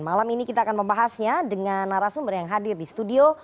malam ini kita akan membahasnya dengan narasumber yang hadir di studio